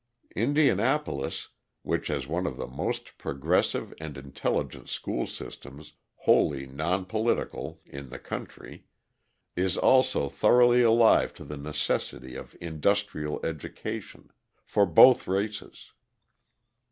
Indianapolis (which has one of the most progressive and intelligent school systems, wholly non political, in the country) is also thoroughly alive to the necessity of industrial education for both races.